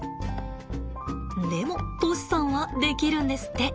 でも杜師さんはできるんですって。